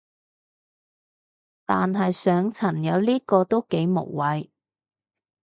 但係上層有呢個都幾無謂